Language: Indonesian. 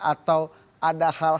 atau ada hal hal politik